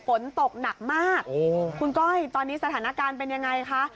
ฝนตกหนักมากคุณก้อยตอนนี้สถานการณ์เป็นยังไงคะ